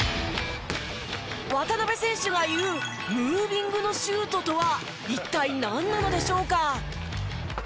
渡邊選手が言うムービングのシュートとは一体なんなのでしょうか？